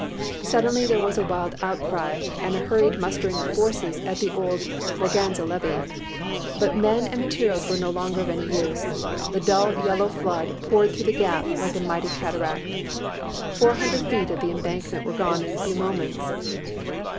Suddenly there was a wild outcry and a hurried mustering of forces at the old Morganza levee. But men and materials were no longer of any use. The dull yellow flood poured through the gap like a mighty cataract. Four hundred feet of the embankment were gone in a few moments.